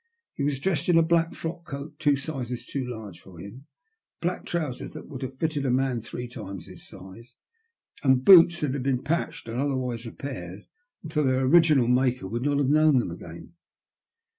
He was dressed in a black frock coat two sizes too large for him, black trousers that would have fitted a man three times his size, and boots that had been patched and otherwise repaired till their original maker would not have known them again.